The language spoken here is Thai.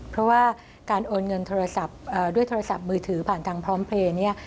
เพราะว่าการโอนเงินโทรศัพท์ด้วยโทรศัพท์มือถือผ่านทางพร้อมเพลย์เนี่ย